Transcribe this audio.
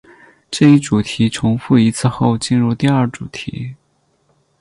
这一主题重复一次后进入第二主题。